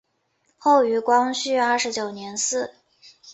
后于光绪二十九年祠。